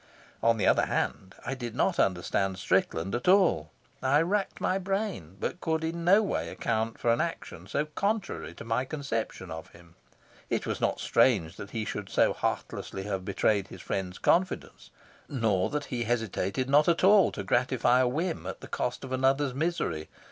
On the other hand, I did not understand Strickland at all. I racked my brain, but could in no way account for an action so contrary to my conception of him. It was not strange that he should so heartlessly have betrayed his friends' confidence, nor that he hesitated not at all to gratify a whim at the cost of another's misery.